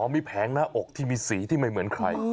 มีแผงหน้าอกที่มีสีที่ไม่เหมือนใคร